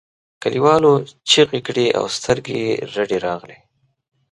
کليوالو چیغې کړې او سترګې یې رډې راغلې.